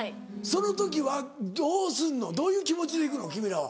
その時はどうすんのどういう気持ちで行くの君らは。